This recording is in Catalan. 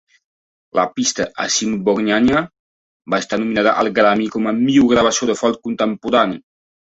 La pista "Asimbognagna" va estar nominada al Grammy com a "Millor gravació de folk contemporani".